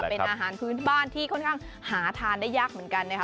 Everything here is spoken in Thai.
เป็นอาหารพื้นบ้านที่ค่อนข้างหาทานได้ยากเหมือนกันนะคะ